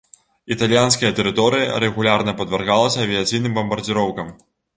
Італьянская тэрыторыя рэгулярна падвяргалася авіяцыйным бамбардзіроўкам.